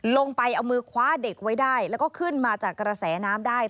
ลงไปเอามือคว้าเด็กไว้ได้แล้วก็ขึ้นมาจากกระแสน้ำได้